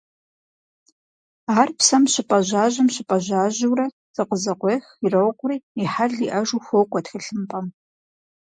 Ар псэм щыпӀэжьажьэм – щыпӀэжьажьэурэ зыкъызэкъуех, ирокъури, «и хьэл иӀэжу» хуокӀуэ тхылъымпӀэм.